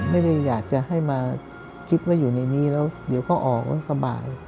ไม่ได้อยากจะให้มาคิดว่าอยู่ในนี้แล้วเดี๋ยวเขาออกแล้วสบาย